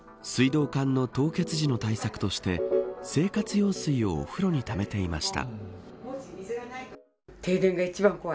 水道管の凍結時の対策として生活用水をお風呂にためていました。